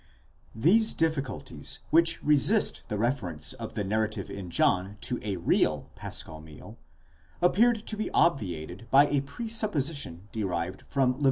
® These difficulties, which resist the reference of the narrative in John to a real paschal meal, appeared to be obviated by a presupposition derived from Lev.